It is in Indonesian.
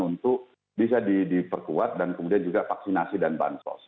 untuk bisa diperkuat dan kemudian juga vaksinasi dan bansos